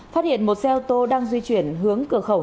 phát hiện một xe ô tô đang di chuyển hướng cửa khẩu